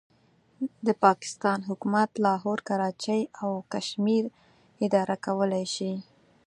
د پاکستان حکومت لاهور، کراچۍ او کشمیر اداره کولای شي.